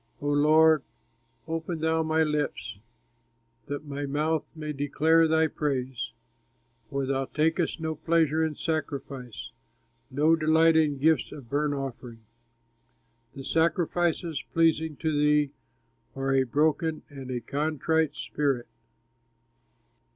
O Lord, open thou my lips, That my mouth may declare thy praise! For thou takest no pleasure in sacrifice, No delight in gifts of burnt offering. The sacrifices pleasing to thee Are a broken and a contrite spirit.